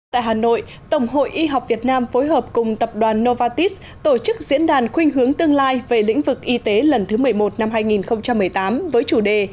tại hà nội tổng hội y học việt nam phối hợp cùng tập đoàn novatis tổ chức diễn đàn khuyên hướng tương lai về lĩnh vực y tế lần thứ một mươi một năm hai nghìn một mươi tám với chủ đề